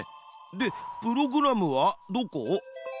でプログラムはどこ？